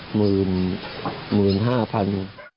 หมื่นห้าพัน